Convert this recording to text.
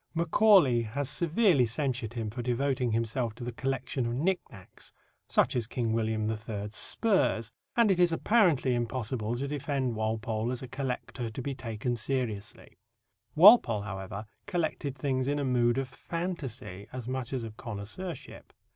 Macaulay has severely censured him for devoting himself to the collection of knick knacks, such as King William III.'s spurs, and it is apparently impossible to defend Walpole as a collector to be taken seriously. Walpole, however, collected things in a mood of fantasy as much as of connoisseurship.